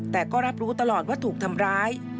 แต่ก็รับรู้ตลอดว่าถูกทำร้าย